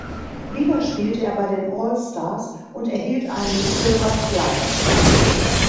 Wieder spielte er bei den All-Stars und erhielt einen Silver Slugger.